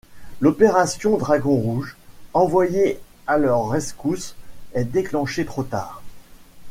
L'Opération Dragon rouge envoyée à leur rescousse est déclenchée trop tard.